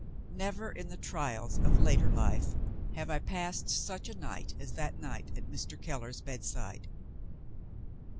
Never in the trials of later life have I passed such a night as that night at Mr. Keller's bedside.